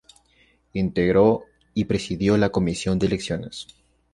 Integró y presidió la Comisión de Elecciones.